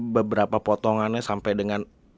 beberapa potongannya sampai dengan